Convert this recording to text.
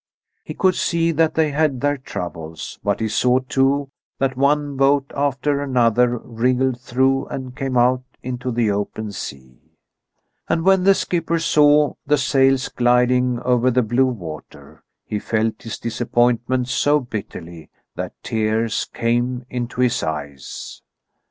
He could see that they had their troubles, but he saw too that one boat after another wriggled through and came out into the open sea. And when the skipper saw the sails gliding over the blue water, he felt his disappointment so bitterly that tears came into his eyes.